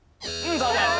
残念！